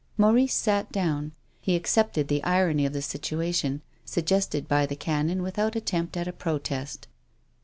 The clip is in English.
Maurice sat down. He accepted the irony of the situation suggested by the Canon without attempt at a protest.